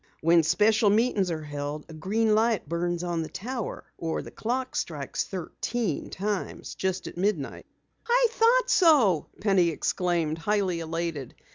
When special meetings are held, a green light burns on the tower, or the clock strikes thirteen times just at midnight." "I thought so!" Penny exclaimed, highly elated.